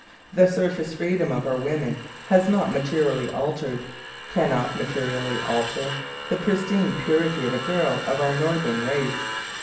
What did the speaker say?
The surface freedom of our women has not materially altered, cannot materially alter, the pristine purity of a girl of our northern race.